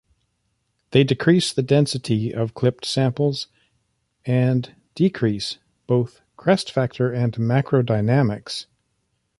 They decrease the density of clipped samples, and decrease both crest factor and macro-dynamics.